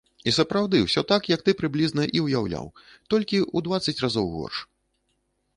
І сапраўды, усё так, як ты прыблізна і ўяўляў, толькі ў дваццаць разоў горш.